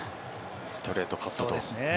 ストレート、カットと。